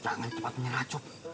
jangan cepat menyeracup